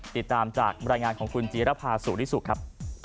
ติดตามจากบรรยายงานของคุณจีรภาสุริสุขครับ